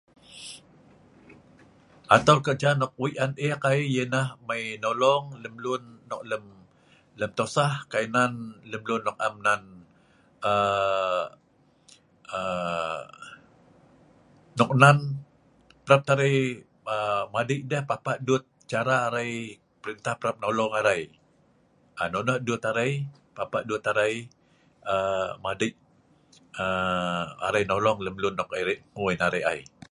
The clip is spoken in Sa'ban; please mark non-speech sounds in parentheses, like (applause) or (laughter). (noise) atol kerja nok wei' an eek ai yanah mai nolong lem lun nok lem lem tosah kai nan lem lun nok am nan um um um nok nan prap tah arai um madei deh papah dut cara arai pelintah prap nolong arai um nonoh dut arai, papah dut arai um madei um madei lem lum um nok hngui ngan arai ai